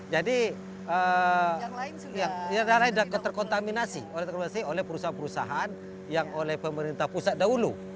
jadi yang lain sudah terkontaminasi oleh perusahaan perusahaan yang oleh pemerintah pusat dahulu